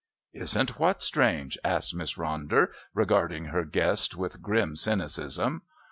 "Isn't what strange?" asked Miss Ronder, regarding her guest with grim cynicism.